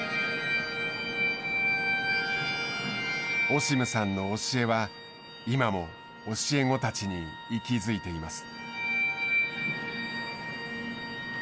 オシムさんの教えは、今も教え子たちに息づいています。